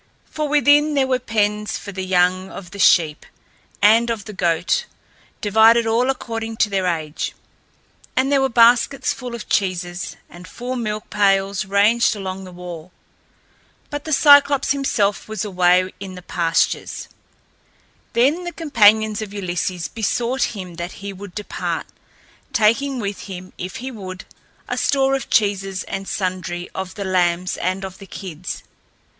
For within there were pens for the young of the sheep and of the goats, divided all according to their age, and there were baskets full of cheeses, and full milk pails ranged along the wall. But the Cyclops himself was away in the pastures. Then the companions of Ulysses besought him that he would depart, taking with him, if he would, a store of cheeses and sundry of the lambs and of the kids.